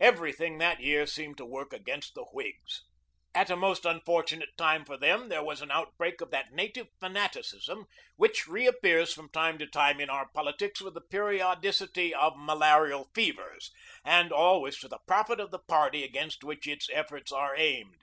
Everything that year seemed to work against the Whigs. At a most unfortunate time for them, there was an outbreak of that "native" fanaticism which reappears from time to time in our politics with the periodicity of malarial fevers, and always to the profit of the party against which its efforts are aimed.